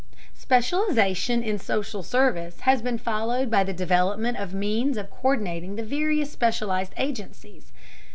Specialization in social service has been followed by the development of means of co÷rdinating the various specialized agencies.